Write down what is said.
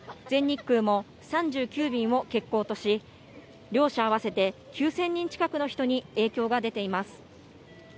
全日空も３９便を欠航とし、両社合わせて９０００人近くの人に影響が出ています。